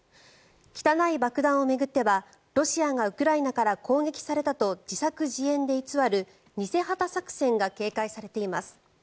汚い爆弾を巡ってはロシアがウクライナから攻撃されたと自作自演で偽る偽旗作戦が警戒されています。